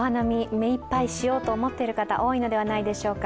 目いっぱいしようと思っている方多いのではないでしょうか。